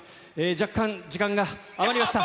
若干時間が余りました。